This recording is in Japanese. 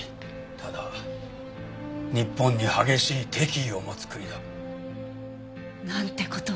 ただ日本に激しい敵意を持つ国だ。なんて事を。